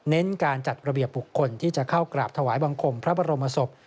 การจัดระเบียบบุคคลที่จะเข้ากราบถวายบังคมพระบรมศพ